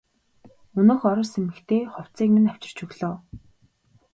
Өнөөх орос эмэгтэй хувцсыг минь авчирч өглөө.